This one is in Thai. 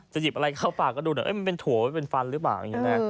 หยิบอะไรเข้าปากก็ดูหน่อยมันเป็นถั่วมันเป็นฟันหรือเปล่าอย่างนี้นะ